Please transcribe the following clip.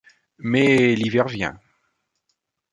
Mais l’hiver vient.